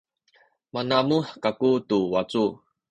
manamuh kaku tu wacu